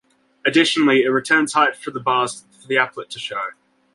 Additionally, it returns heights for the bars for the applet to show.